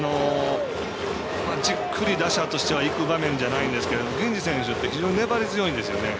じっくり打者としてはいく場面ではないんですが銀次選手って非常に粘り強いんですね。